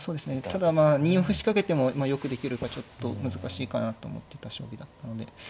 ただまあ２四歩仕掛けてもよくできるかちょっと難しいかなと思ってた将棋だったので。